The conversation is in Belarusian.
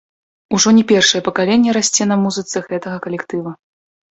Ужо не першае пакаленне расце на музыцы гэтага калектыва.